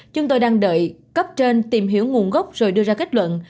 chúng tôi đang đợi cấp trên tìm hiểu nguồn gốc rồi đưa ra kết luận